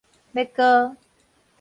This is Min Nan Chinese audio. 欲閣